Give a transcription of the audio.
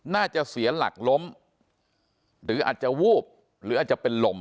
น่าจะเสียหลักล้มหรืออาจจะวูบหรืออาจจะเป็นลม